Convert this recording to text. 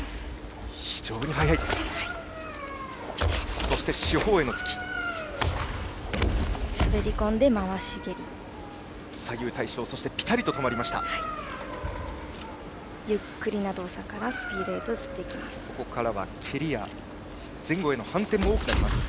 非常に速いですね。